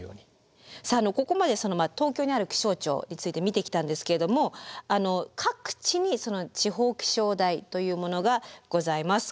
さあここまで東京にある気象庁について見てきたんですけれども各地に地方気象台というものがございます。